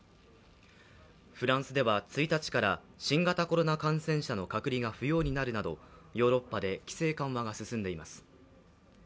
フランスでは１日から新型コロナ感染者の隔離が不要になるなどヨーロッパで規制緩和が進んでいます。